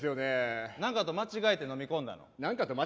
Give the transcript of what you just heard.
なんかと間違えて飲み込んだの？